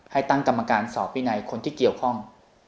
ให้ตั้งกรรมการสอบวินัยคนที่เกี่ยวข้อง